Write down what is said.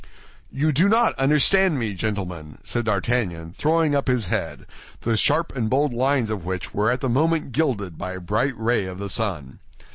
"You do not understand me, gentlemen," said D'Artagnan, throwing up his head, the sharp and bold lines of which were at the moment gilded by a bright ray of the sun.